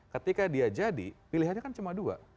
ketika dia jadi pilihannya kan cuma dua